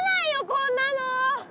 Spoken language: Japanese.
こんなの。